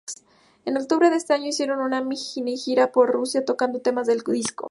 En octubre de este año hicieron una mini-gira por Rusia tocando temas del disco.